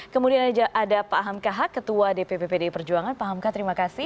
kemudian ada pak hamkahak ketua dpp pdi perjuangan pak hamka terima kasih